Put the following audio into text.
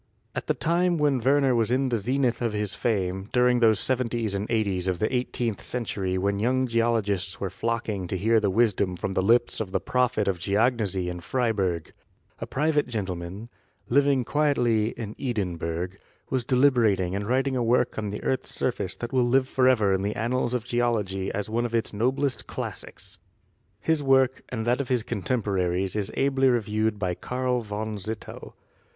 At the time when Werner was in the zenith of his fame, during those seventies and eighties of the eighteenth cen tury when young geologists were flocking to hear the wis dom from the lips of the prophet of geognosy in Freiberg, a private gentleman, living quietly in Edinburgh, was WERNER AND HUTTON 59 deliberating and writing a work on the earth's surface that will live forever in the annals of Geology as one of its noblest classics. His work and that of his contemporaries is ably reviewed by Karl von Zittell.